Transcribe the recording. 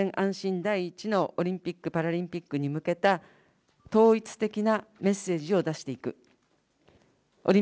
第一のオリンピック・パラリンピックに向けた統一的なメッセージを出していく。